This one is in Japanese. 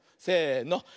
せの。